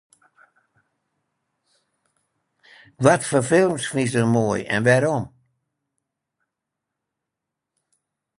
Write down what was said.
Watfoar films fynst moai en wêrom?